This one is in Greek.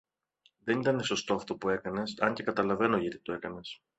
Δεν ήταν σωστό αυτό που έκανες, αν και καταλαβαίνω γιατί το έκανες.